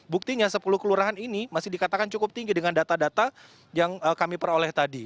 buktinya sepuluh kelurahan ini masih dikatakan cukup tinggi dengan data data yang kami peroleh tadi